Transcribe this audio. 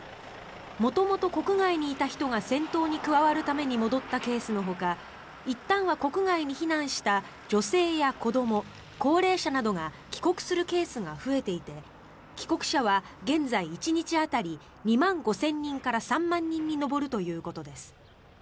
元々、国外にいた人が戦闘に加わるために戻ったケースのほかいったんは国外に避難した女性や子ども、高齢者などが帰国するケースが増えていて帰国者は現在、１日当たり２万５０００人から３万人に上るということです。